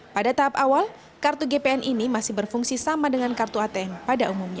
pada tahap awal kartu gpn ini masih berfungsi sama dengan kartu atm pada umumnya